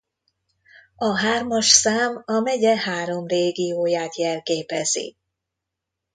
A hármas szám a megye három régióját jelképezi.